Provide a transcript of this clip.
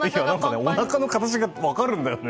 おなかの形が分かるんだよね。